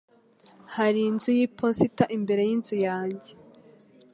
Hariho inzu yiposita imbere yinzu yanjye.